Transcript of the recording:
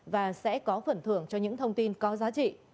và sẽ có phần thưởng cho những thông tin có giá trị